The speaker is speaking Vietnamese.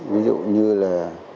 ví dụ như là